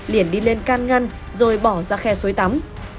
liền đi lên can ngăn rồi bỏ ra khe suối tắm